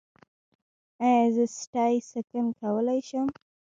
ایا زه سټي سکن کولی شم؟